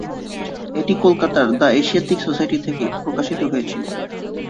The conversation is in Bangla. এটি কলকাতার দ্য এশিয়াটিক সোসাইটি থেকে প্রকাশিত হয়েছিল।